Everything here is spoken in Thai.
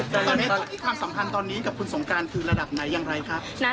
ตอนนี้ความสัมพันธ์ตอนนี้กับคุณสงการคือระดับไหนอย่างไรครับ